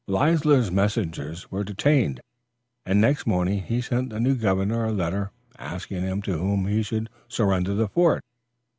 Leisler's messengers were detained, and next morning he sent the new governor a letter asking him to whom he should surrender the fort.